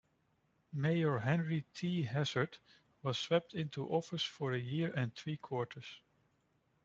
Mayor Henry T. Hazard was swept into office for a year and three quarters.